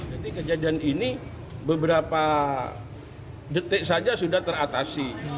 jadi kejadian ini beberapa detik saja sudah teratasi